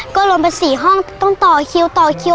ก็ลงไปสี่ห้องต้องต่อคิวต่อคิว